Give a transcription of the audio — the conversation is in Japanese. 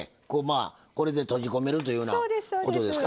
これで閉じ込めるというようなことですか？